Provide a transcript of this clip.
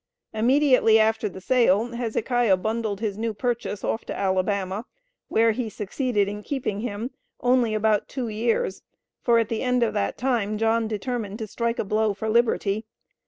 Immediately after the sale Hezekiah bundled his new "purchase" off to Alabama, where he succeeded in keeping him only about two years, for at the end of that time John determined to strike a blow for liberty.